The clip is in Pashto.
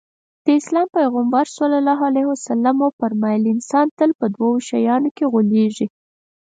د اسلام پيغمبر ص وفرمايل انسان تل په دوو شيانو کې غولېږي.